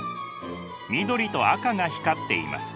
緑と赤が光っています。